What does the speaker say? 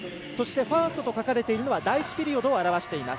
ファーストと書かれているのは第１ピリオドを表しています。